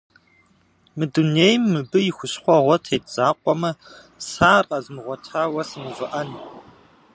Мы дунейм мыбы и хущхъуэгъуэ тет закъуэмэ, сэ ар къэзмыгъуэтауэ сымыувыӏэн.